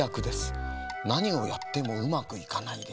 なにをやってもうまくいかないでしょう」。